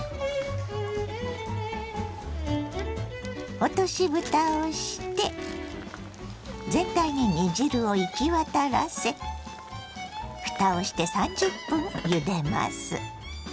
落としぶたをして全体に煮汁を行き渡らせふたをして３０分ゆでます。